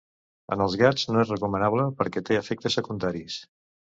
En els gats no és recomanable perquè té efectes secundaris.